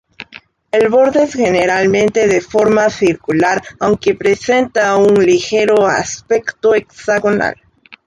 El borde es generalmente de forma circular, aunque presenta un ligero aspecto hexagonal.